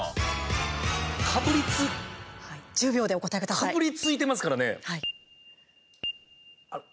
かぶりついてますからね。